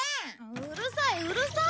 うるさいうるさい！